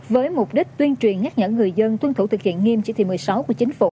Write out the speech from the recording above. với mục đích tuyên truyền nhắc nhở người dân tuân thủ thực hiện nghiêm chỉ thị một mươi sáu của chính phủ